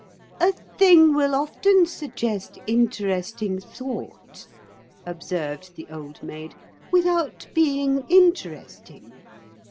"A thing will often suggest interesting thought," observed the Old Maid, "without being interesting.